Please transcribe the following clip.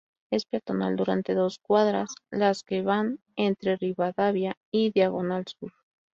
Es peatonal durante dos cuadras, las que van entre Rivadavia y la Diagonal Sur.